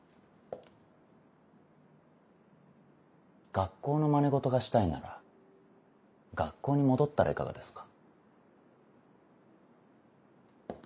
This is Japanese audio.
学校のまね事がしたいなら学校に戻ったらいかがですか？